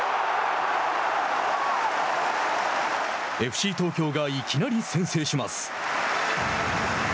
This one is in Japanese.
ＦＣ東京がいきなり先制します。